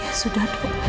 ya sudah dok